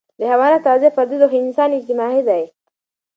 د حيواناتو تغذیه فردي ده، خو انسان اجتماعي دی.